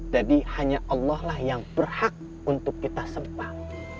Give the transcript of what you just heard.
jadi hanya allah yang berhak untuk kita sempah